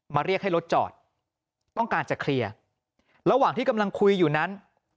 เรียกให้รถจอดต้องการจะเคลียร์ระหว่างที่กำลังคุยอยู่นั้น